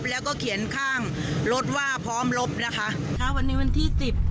แล้วก็เขียนข้างรถว่าพร้อมลบนะคะถ้าวันนี้วันที่สิบ